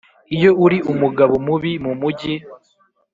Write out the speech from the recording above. iyo uri umugabo mubi mumujyi